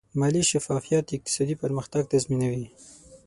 مالي شفافیت اقتصادي پرمختګ تضمینوي.